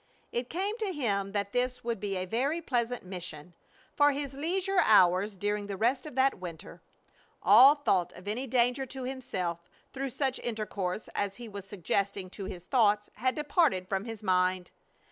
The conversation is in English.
It came to him that this would be a very pleasant mission, for his leisure hours during the rest of that winter. All thought of any danger to himself through such intercourse as he was suggesting to his thoughts had departed from his mind.